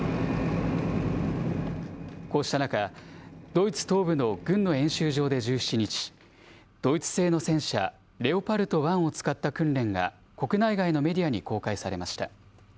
こうした中、ドイツ東部の軍の演習場で１７日、ドイツ製の戦車、レオパルト１を使った訓練が国内外のメディアに公開されました。